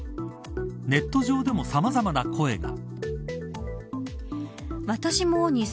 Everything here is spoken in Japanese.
ネット上でもさまざまな声が。